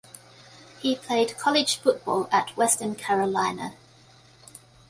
He played college football at Western Carolina.